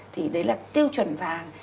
thì đấy là tiêu chuẩn vàng